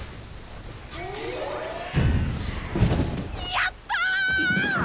やった！